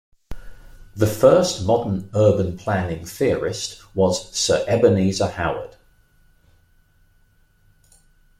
The first modern urban planning theorist was Sir Ebenezer Howard.